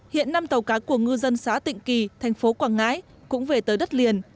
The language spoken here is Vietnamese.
hiện năm tàu cá của ngư dân xã tịnh kỳ thành phố quảng ngãi cũng về tới đất liền